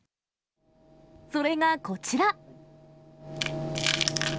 それがこちら。